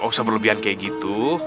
gak usah berlebihan kayak gitu